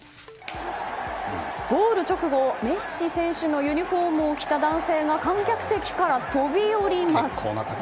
ゴール直後、メッシ選手のユニホームを着た男性が観客席から飛び降ります。